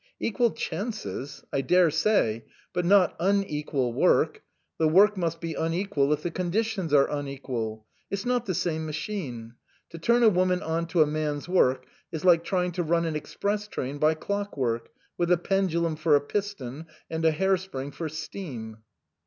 "Equal chances? I daresay. But not un equal work. The work must be unequal if the conditions are unequal. It's not the same machine. To turn a woman on to a man's work is like trying to run an express train by clock work, with a pendulum for a piston, and a hair spring for steam."